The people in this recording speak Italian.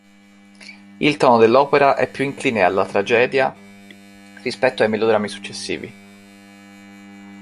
Il tono dell'opera è più incline alla tragedia rispetto ai melodrammi successivi.